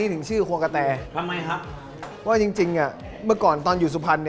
ประครรภาพมารีไว้สวัสดิ์